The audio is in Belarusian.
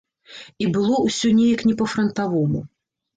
І было ўсё неяк не па-франтавому.